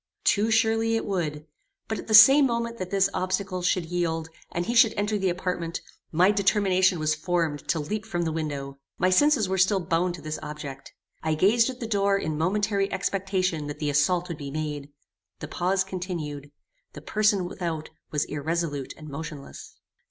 Too surely it would; but, at the same moment that this obstacle should yield, and he should enter the apartment, my determination was formed to leap from the window. My senses were still bound to this object. I gazed at the door in momentary expectation that the assault would be made. The pause continued. The person without was irresolute and motionless.